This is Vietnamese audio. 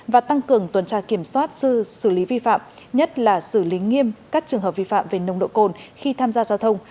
và tăng cường tuần tra kiểm soát xử lý vi phạm nhất là xử lý nghiêm các trường hợp vi phạm về nồng độ cồn khi tham gia giao thông